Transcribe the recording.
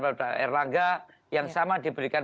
kepada erlangga yang sama diberikan